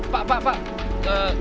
pak pak pak